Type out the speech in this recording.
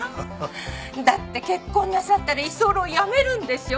だって結婚なさったら居候やめるんでしょ？